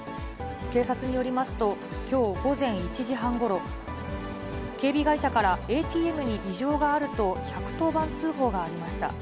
警察によりますと、きょう午前１時半ごろ、警備会社からＡＴＭに異常があると、１１０番通報がありました。